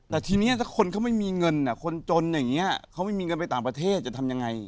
แต่ทีนี้ถ้าคนเขาไม่มีเงินคนจนอย่างนี้เขาไม่มีเงินไปต่างประเทศจะทำยังไง